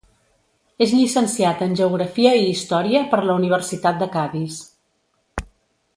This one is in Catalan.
És llicenciat en Geografia i Història per la Universitat de Cadis.